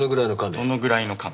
どのぐらいのカメ。